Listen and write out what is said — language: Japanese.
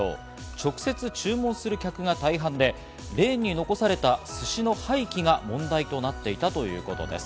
直接注文する客が大半で、レーンに残された寿司の廃棄が問題となっていたということです。